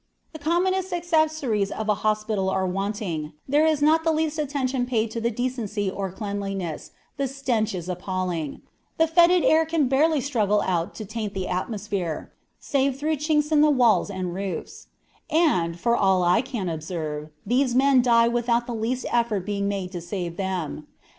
"The commonest accessories of a hospital are wanting; there is not the least attention paid to decency or cleanliness; the stench is appalling; the fetid air can barely struggle out to taint the atmosphere, save through the chinks in the walls and roofs; and, for all I can observe, these men die without the least effort being made to save them.